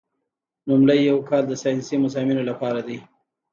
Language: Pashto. لومړی یو کال د ساینسي مضامینو لپاره دی.